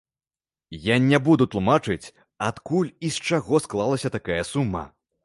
Я не буду тлумачыць, адкуль і з чаго, склалася такая сума.